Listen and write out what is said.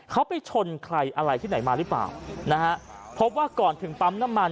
เขาไปชนใครอะไรที่ไหนมาหรือเปล่านะฮะพบว่าก่อนถึงปั๊มน้ำมัน